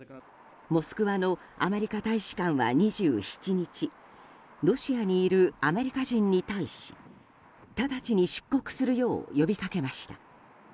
モスクワのアメリカ大使館は２７日ロシアにいるアメリカ人に対し直ちに出国するよう呼びかけました。